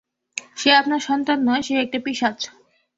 সে আপনার সন্তান নয়, সে একটা পিশাচ!